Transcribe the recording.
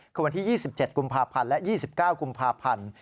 คือวันที่๒๗กุมภาพันธ์และ๒๙กุมภาพันธ์